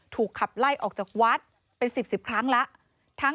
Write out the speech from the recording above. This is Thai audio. ถูกขับไล่ออกจากวัดเป็น๑๐๑๐ครั้งแล้ว